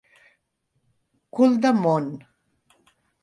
Cul del món.